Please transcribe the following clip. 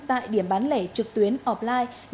tại điểm bán lẻ trực tuyến offline